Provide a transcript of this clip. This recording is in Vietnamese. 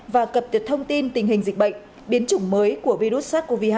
và cập nhật thông tin tình hình dịch bệnh biến chủng mới của virus sars cov hai